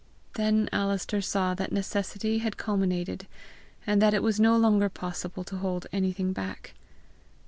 Then Alister saw that necessity had culminated, and that it was no longer possible to hold anything back.